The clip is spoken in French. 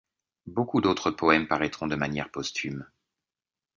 Beaucoup d'autres poèmes paraîtront de manière posthume.